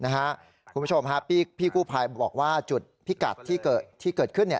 คุณผู้ชมพี่กู้ภัยบอกว่าจุดพิกัดที่เกิดขึ้น